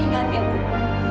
ingat ya bu